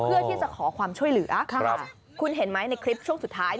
เพื่อที่จะขอความช่วยเหลือคุณเห็นไหมในคลิปช่วงสุดท้าย